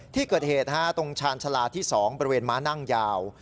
ที่เกิดเหตุตรงชาญชาลาที่๒บริเวณม้านั่งยาว